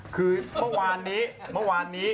คือเมื่อวานนี้